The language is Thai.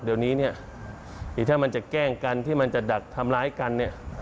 เดี๋ยวนี้เนี่ยอีกถ้ามันจะแกล้งกันที่มันจะดักทำร้ายกันเนี่ย